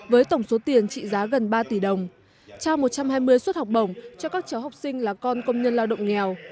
với tổng số tiền trị giá gần ba tỷ đồng trao một trăm hai mươi suất học bổng cho các cháu học sinh là con công nhân lao động nghèo